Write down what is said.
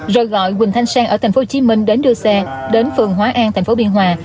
rồi gọi quỳnh thanh sen ở tp hcm đến đưa xe đến phường hóa an tp biên hòa